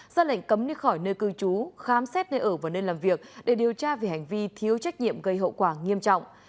ra lệnh cấm đi khỏi nơi cư trú khám xét nơi ở và nơi làm việc để điều tra về hành vi thiếu trách nhiệm gây hậu quả nghiêm trọng